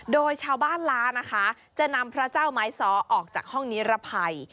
โดยชาวบ้านล้านะคะจะนำพระเจ้าไม้ซ้อออกจากห้องนิรภัย